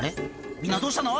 みんなどうしたの？